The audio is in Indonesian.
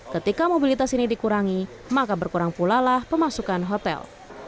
ketika mobilitas ini dikurangi maka berkurang pulalah pemasukan hotel